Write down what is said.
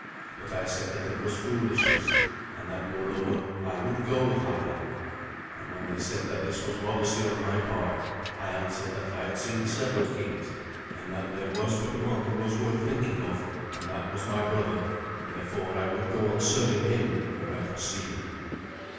But I said that it was foolishness, and that, moreover, I would go with Havelok. And when they said that this was modesty on my part, I answered that I had seen several kings, and that there was but one who was worth thinking of, and that was my brother; therefore, I would go on serving him where I could see him.